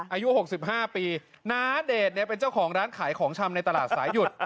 อายุ๖๕ปีน้าเดชเนี่ยเป็นเจ้าของร้านขายของชำในตลาดสายหยุด